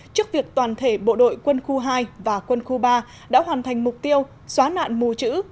trước việc toàn thể bộ đội quân khu hai và quân khu ba đã hoàn thành mục tiêu xóa nạn mù chữ